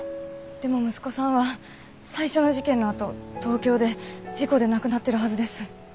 でも息子さんは最初の事件のあと東京で事故で亡くなっているはずです。